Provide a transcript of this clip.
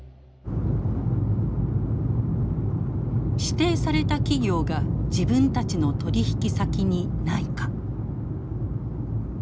指定された企業が自分たちの取引先にないか。